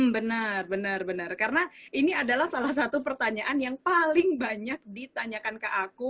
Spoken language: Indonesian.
benar benar benar karena ini adalah salah satu pertanyaan yang paling banyak ditanyakan ke aku